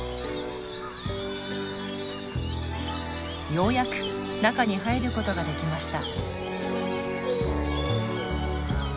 ようやく中に入ることができました。